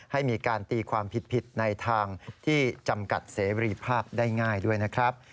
ให้มีการตีความผิดในทางที่จำกัดเสรีภาพได้ง่ายด้วยนะครับ